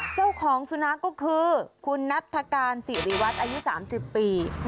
เจ้าของสุนัขก็คือคุณนัฐการสิริวัตรอายุ๓๐ปี